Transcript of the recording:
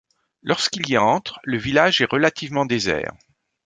Lorsqu'il y entre, le village est relativement désert.